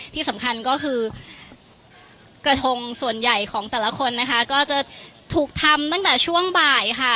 ที่สำคัญก็คือกระทงส่วนใหญ่ของแต่ละคนนะคะก็จะถูกทำตั้งแต่ช่วงบ่ายค่ะ